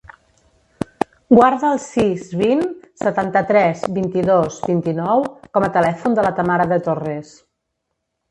Guarda el sis, vint, setanta-tres, vint-i-dos, vint-i-nou com a telèfon de la Tamara De Torres.